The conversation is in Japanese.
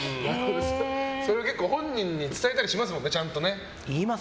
それを結構、本人に伝えたりしますもんね、ちゃんと。